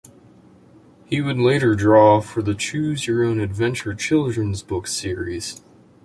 He would later draw for the Choose Your Own Adventure children's book series.